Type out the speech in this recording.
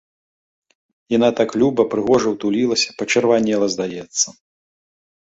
Яна так люба, прыгожа ўтулілася, пачырванела, здаецца.